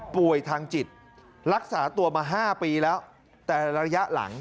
ป่วยทางจิตรักษาตัวมา๕ปีแล้วแต่ระยะหลัง